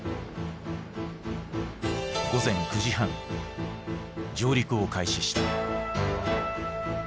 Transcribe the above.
午前９時半上陸を開始した。